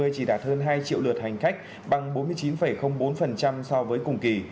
chỉ đạt hơn hai triệu lượt hành khách bằng bốn mươi chín bốn so với cùng kỳ